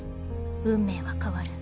「運命は変わる。